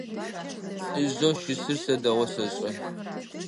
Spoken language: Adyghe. Лӏыжъэу щысыр сэ дэгъоу сэшӏэ.